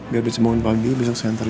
biar bisa bangun pagi besok saya antar aja